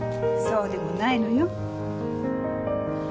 そうでもないのよ。